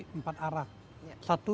satu kelompok menggunakan empat arah